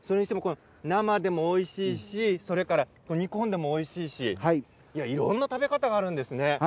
生でもおいしいし煮込んでもおいしいしいろいろな食べ方があるんですね。